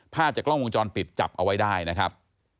ภาพจากกล้องวงจรปิดจับเอาไว้ได้นะครับ